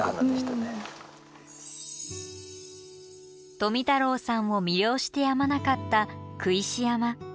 富太郎さんを魅了してやまなかった工石山。